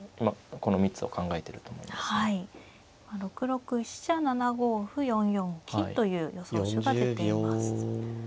６六飛車７五歩４四金という予想手が出ています。